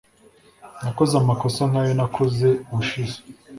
nakoze amakosa nkayo nakoze ubushize